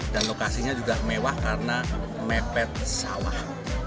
dan lokasinya juga mewah karena mepet sawah